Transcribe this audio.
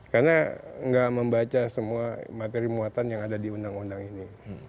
karena tidak membaca semua materi muatan yang ada di undang undang ini